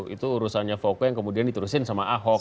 itu urusannya foko yang kemudian diturusin sama ahok